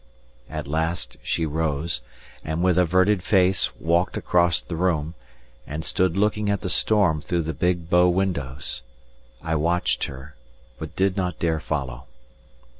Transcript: At last she rose and with averted face walked across the room, and stood looking at the storm through the big bow windows. I watched her, but did not dare follow.